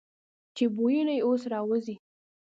چې بویونه یې اوس را وځي.